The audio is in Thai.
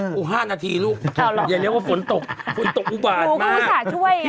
นี่๕นาทีลูกอย่าเรียกว่าฝนตกฟนตกอุบาตมากโอ๊ยเขาอุตส่าห์ช่วยไง